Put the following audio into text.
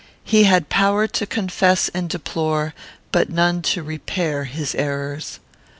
He had power to confess and deplore, but none to repair, his errors.